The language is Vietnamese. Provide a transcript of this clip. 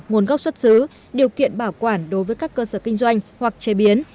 nguồn gốc xuất xứ điều kiện bảo quản đối với các cơ sở kinh doanh hoặc chế biến